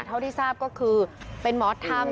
เท่าที่ทราบก็คือเป็นหมอธรรม